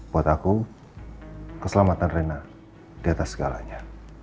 buat aku keselamatan rena di atas segalanya